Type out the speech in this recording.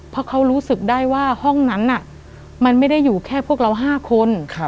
เพราะเขารู้สึกได้ว่าห้องนั้นมันไม่ได้อยู่แค่พวกเรา๕คน